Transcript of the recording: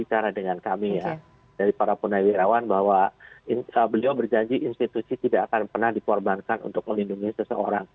karena dengan kami ya dari para punai wirawan bahwa beliau berjanji institusi tidak akan pernah dikorbankan untuk melindungi seseorang